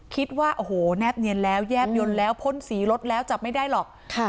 คิดว่าโถ้แนบเงียนแย็บยนต์แล้วพ้นสีรถชับไม่ได้หรอก